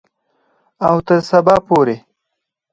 او تر سبا پورې.